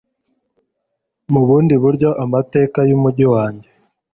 mubundi buryo amateka yumujyi wanjye